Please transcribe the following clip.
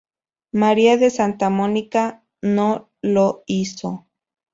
María de Santa Mónica no lo hizo.